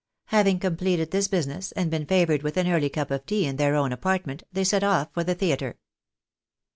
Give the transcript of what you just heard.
Having completed this business, and been favoured with an early cup of tea in their own apartment, they set off for the theatre.